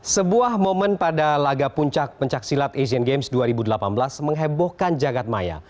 sebuah momen pada laga puncak pencaksilat asian games dua ribu delapan belas menghebohkan jagadmaya